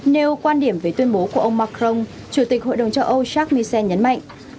nếu quan điểm về tuyên bố của ông macron chủ tịch hội đồng châu âu jacques michel nhấn mạnh